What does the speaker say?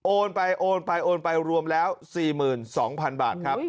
ไปโอนไปโอนไปรวมแล้ว๔๒๐๐๐บาทครับ